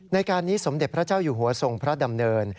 ในการนี้สมเด็จพระเจ้าอยู่หัวทรงพระดำเนิน